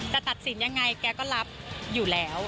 แต่ตัดสินยังไงแกก็รับอยู่แล้ว